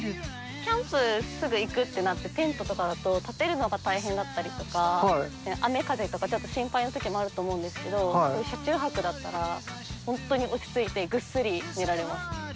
キャンプすぐ行くってなって、テントとかだと、立てるのが大変だったりとか、雨風とかちょっと心配なときもあると思うんですけど、車中泊だったら、本当に落ち着いてぐっすり寝られます。